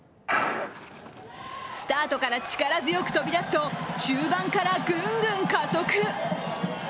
スタートから力強く飛び出すと、中盤からグングン加速。